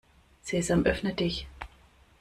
Sesam, öffne dich!